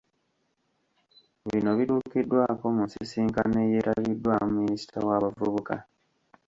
Bino bituukiddwako mu nsisinkano eyeetabiddwamu minisita w’abavubuka.